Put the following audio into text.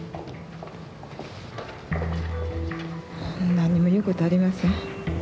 何も言うことはありません。